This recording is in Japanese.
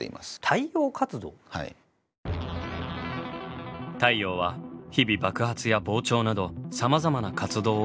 太陽は日々爆発や膨張などさまざまな活動を行っています。